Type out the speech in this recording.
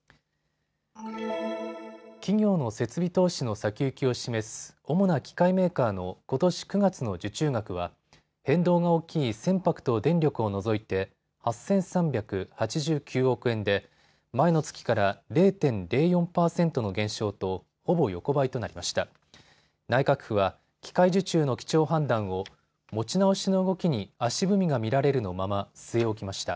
企業の設備投資の先行きを示す主な機械メーカーのことし９月の受注額は変動が大きい船舶と電力を除いて８３８９億円で前の月から０．０４％の減少とほぼ横ばいとなりました。